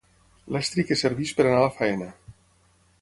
L'estri que serveix per anar a la feina.